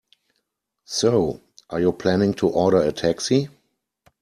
So, are you planning to order a taxi?